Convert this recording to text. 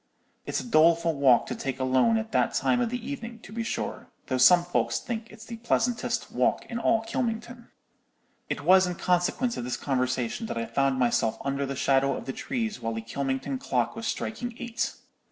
It's a doleful walk to take alone at that time of the evening, to be sure, though some folks think it's the pleasantest walk in all Kylmington.' "It was in consequence of this conversation that I found myself under the shadow of the trees while the Kylmington clock was striking eight.